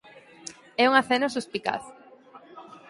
É un aceno suspicaz.